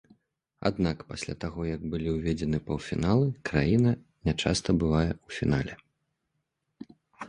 Аднак пасля таго як былі ўведзены паўфіналы, краіна нячаста бывае ў фінале.